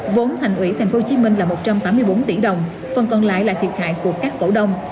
vốn thành ủy tp hcm là một trăm tám mươi bốn tỷ đồng phần còn lại là thiệt hại của các cổ đông